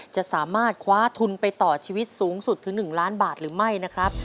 จะสามารถคว้าทุนไปต่อชีวิตสูงสุดถึง๑ล้านบาทหรือไม่นะครับ